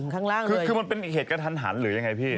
คือมันเป็นเหตุกระทันหันหรือยังไงพี่